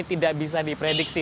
tidak bisa diprediksi